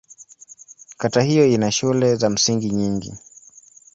Kata hiyo ina shule za msingi nyingi.